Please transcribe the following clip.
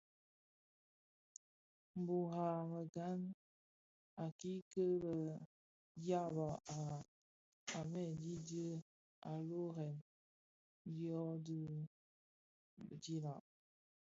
Mburag a meghan a kiki lè dyaba a mëdidi a lōōrèn bishyō bi bidilag.